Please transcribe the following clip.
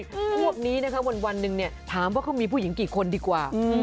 พวกนี้นะคะวันหนึ่งเนี่ยถามว่าเขามีผู้หญิงกี่คนดีกว่า